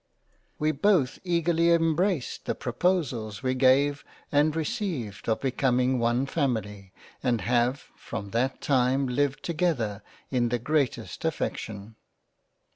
We both eagerly embraced the proposals we gave and received of becoming one family, and have from that time lived together in the greatest affection."